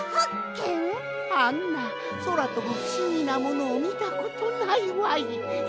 あんなそらとぶふしぎなものをみたことないわい！